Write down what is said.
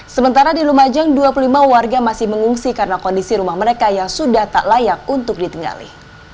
sementara di lumajang dua puluh lima warga masih mengungsi karena kondisi rumah mereka yang sudah tak layak untuk ditinggali